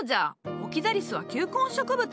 オキザリスは球根植物。